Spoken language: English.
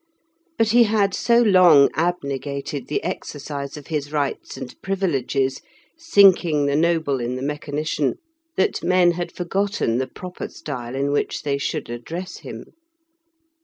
But he had so long abnegated the exercise of his rights and privileges, sinking the noble in the mechanician, that men had forgotten the proper style in which they should address him.